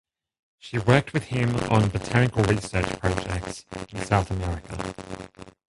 She worked with him on botanical research projects in South America.